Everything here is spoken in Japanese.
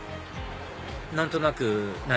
何となく何？